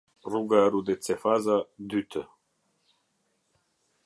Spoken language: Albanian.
Rruga rudicefaza dyte